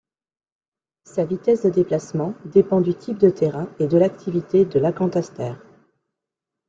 Sa vitesse de déplacement dépend du type de terrain et de l'activité de l'acanthaster.